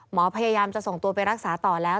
พยายามจะส่งตัวไปรักษาต่อแล้ว